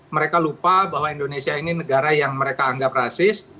mereka lupa bahwa indonesia ini negara yang mereka anggap rasis